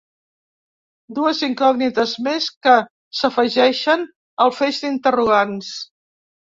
Dues incògnites més que s’afegeixen al feix d’interrogants.